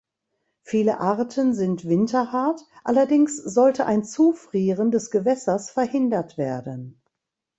Viele Arten sind winterhart, allerdings sollte ein Zufrieren des Gewässers verhindert werden.